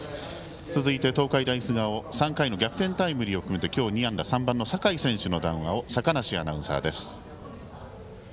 続いて東海大菅生３回の逆転タイムリーを含めて今日２安打３番の酒井選手の談話を坂梨アナウンサーです。